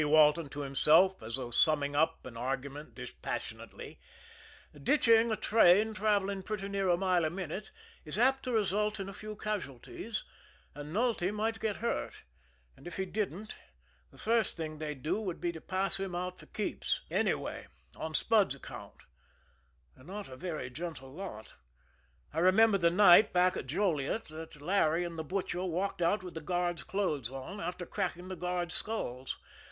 Walton to himself, as though summing up an argument dispassionately, "ditching a train travelling pretty near a mile a minute is apt to result in a few casualties, and Nulty might get hurt, and if he didn't, the first thing they'd do would be to pass him out for keeps, anyway, on Spud's account. They're not a very gentle lot I remember the night back at Joliet that Larry and the Butcher walked out with the guards' clothes on, after cracking the guards' skulls.